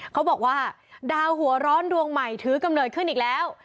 เขาบอกว่าดาวหัวร้อนดวงใหม่ถือกำเนิดขึ้นอีกแล้ว